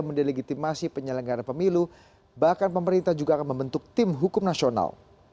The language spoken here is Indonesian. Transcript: mendelegitimasi penyelenggara pemilu bahkan pemerintah juga akan membentuk tim hukum nasional